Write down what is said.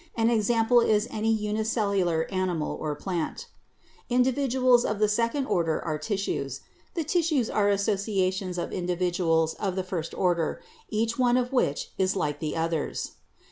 An example is any unicellular animal or plant. Individuals of the second order are tissues. The tissues are associations of individuals of the first order, each one of which is like the others.